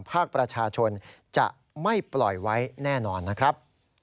ภาคประชาชนจะไม่ปล่อยไว้แน่นอนนะครับ